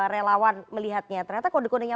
relawan melihatnya ternyata kode kodenya